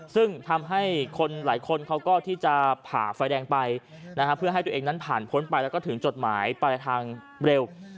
ซึ่งทำให้คนหลายคนเขาก็ที่จะผ่าไฟแดงไปเพื่อให้ตัวเองนั้นผ่านพ้นไปแล้วก็ถึงจดหมายปลายทางเร็ว